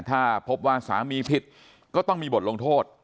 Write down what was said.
ถ้าพบว่าสามีผิดก็ต้องมีบทลงโทษ